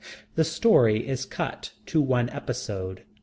The story is cut to one episode.